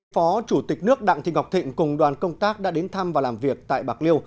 phó chủ tịch nước đặng thị ngọc thịnh cùng đoàn công tác đã đến thăm và làm việc tại bạc liêu